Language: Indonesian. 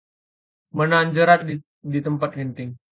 Menahan jerat ditempat genting